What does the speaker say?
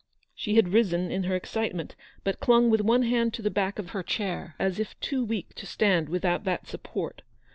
She had risen in her excitement, but clung with one hand to the back of her chair, as if too weak to stand without that support.